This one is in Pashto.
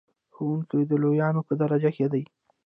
ښوونکی د لویانو په درجه کې دی.